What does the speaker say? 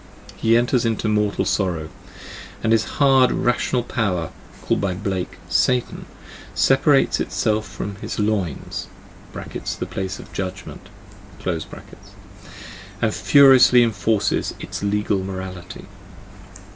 He enters into mortal sorrow, and his hard rational power, called by Blake " Satan," separates itself from his loins (the place of judgment), and furiously enforces its legal morality.